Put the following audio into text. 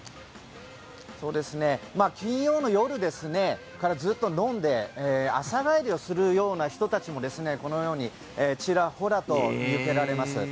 金曜の夜からずっと飲んで朝帰りをするような人たちもこのようにちらほらと見受けられます。